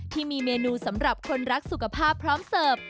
ที่มีเมนูสำหรับคนรักสุขภาพพร้อมเสิร์ฟ